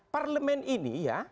parlemen ini ya